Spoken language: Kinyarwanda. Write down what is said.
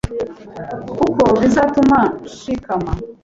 Kuko bizatuma nshikama